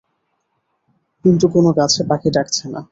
কিন্তু কোনো গাছে পাখি ডাকছে না।